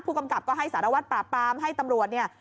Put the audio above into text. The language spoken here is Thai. กำกับก็ให้สารวัตรปราบปรามให้ตำรวจเนี่ย